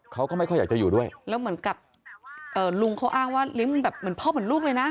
เขาก็ไม่ค่อยอยากจะอยู่ด้วยแล้วเหมือนกับเอ่อลุงเขาอ้างว่าเลี้ยงแบบเหมือนพ่อเหมือนลูกเลยนะ